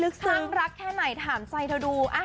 ซึ้งรักแค่ไหนถามใจเธอดู